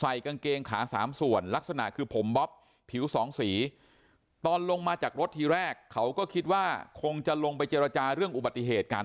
ใส่กางเกงขาสามส่วนลักษณะคือผมบ๊อบผิวสองสีตอนลงมาจากรถทีแรกเขาก็คิดว่าคงจะลงไปเจรจาเรื่องอุบัติเหตุกัน